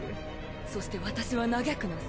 そして私は嘆くのさ